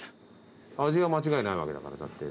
味は間違いないわけだからだって。